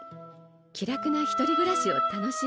気楽な１人暮らしを楽しんでいる。